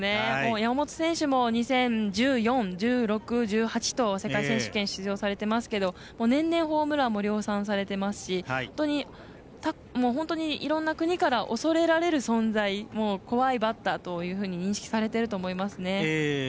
山本選手も２０１４、２０１６２０１８と世界選手権に出場されていますけど年々ホームランも量産されてますし本当に、いろんな国から恐れられる存在怖いバッターというふうに認識されていると思いますね。